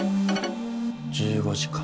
１５時か。